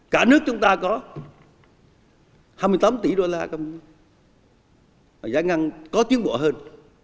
cả nước chúng ta có hai mươi tám tỷ đô la giải ngăn có chiến bộ hơn